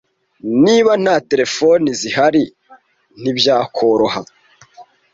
Niba nta terefone zihari, ntibyakoroha.